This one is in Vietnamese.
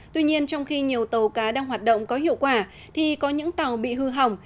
tuy nhiên trong khi nhiều tàu cá đang hoạt động có hiệu quả thì có những tàu bị hư hỏng